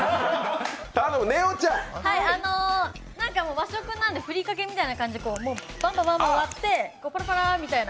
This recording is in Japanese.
和食なので、ふりかけみたいな感じで、もうバンバン割って、ぱらぱらみたいな。